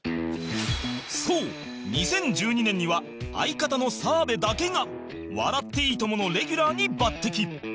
そう２０１２年には相方の澤部だけが『笑っていいとも！』のレギュラーに抜擢